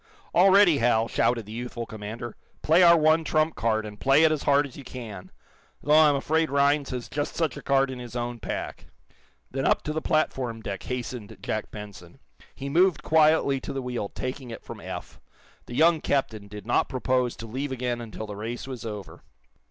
"All ready, Hal!" shouted the youthful commander. "Play our one trump card, and play it as hard as you can! Though I'm afraid Rhinds has just such a card in his own pack." Then up to the platform deck hastened Jack Benson. He moved quietly to the wheel, taking it from Eph. The young captain did not propose to leave again until the race was over.